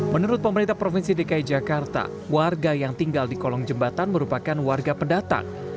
menurut pemerintah provinsi dki jakarta warga yang tinggal di kolong jembatan merupakan warga pendatang